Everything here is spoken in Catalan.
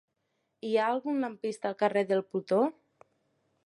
Hi ha algun lampista al carrer de Plutó?